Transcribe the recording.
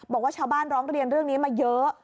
บอกว่าชาวบ้านร้องเรียนเรื่องนี้มาเยอะ